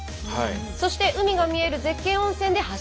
そして海が見える絶景温泉ではしご風呂。